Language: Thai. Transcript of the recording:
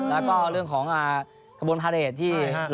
แล้วก็เรื่องของกระบวนภารกิจที่ล้อ